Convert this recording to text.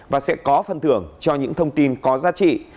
và sẽ có phân thưởng cho những thông tin có giá trị